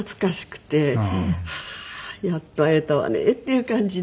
ああやっと会えたわねっていう感じで。